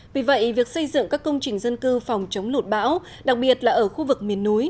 vì vậy việc xây dựng các công trình dân cư phòng chống lụt bão đặc biệt là ở khu vực miền núi